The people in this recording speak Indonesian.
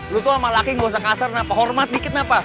lo tuh sama laki gak usah kasar hormat dikit kenapa